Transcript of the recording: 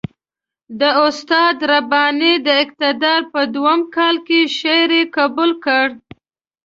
د استاد رباني د اقتدار په دویم کال کې شعر یې قبول کړ.